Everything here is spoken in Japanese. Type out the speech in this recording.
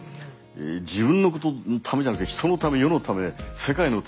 自分のことためじゃなくて人のため世のため世界のために戦う。